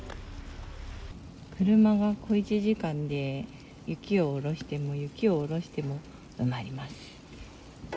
車が小１時間で、雪を下ろしても雪を下ろしても埋まります。